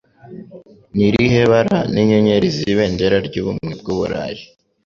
Ni irihe bara ni Inyenyeri Z'ibendera ry'Ubumwe bw'Uburayi